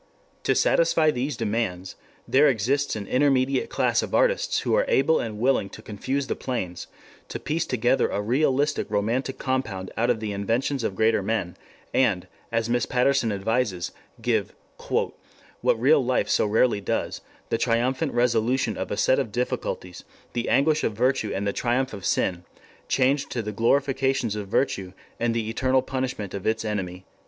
To satisfy these demands there exists an intermediate class of artists who are able and willing to confuse the planes, to piece together a realistic romantic compound out of the inventions of greater men, and, as Miss Patterson advises, give "what real life so rarely does the triumphant resolution of a set of difficulties; the anguish of virtue and the triumph of sin... changed to the glorifications of virtue and the eternal punishment of its enemy."